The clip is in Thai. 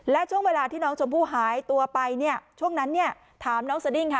และช่วงเวลาที่น้องชมพู่หายตัวไปเนี่ยช่วงนั้นเนี่ยถามน้องสดิ้งค่ะ